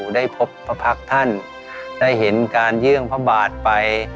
ได้พบพระพักษ์ท่านได้เห็นการเยื่องพระบาทไป